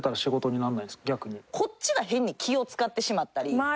こっちが変に気を使ってしまったり。